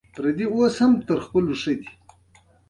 هغه د لوړ همت څښتن او پر ځان بسیا و